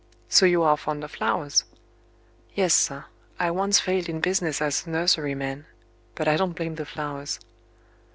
"So you are fond of flowers?" "Yes, sir. I once failed in business as a nurseryman but I don't blame the flowers."